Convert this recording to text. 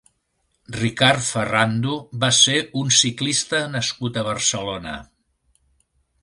Ricard Ferrando va ser un ciclista nascut a Barcelona.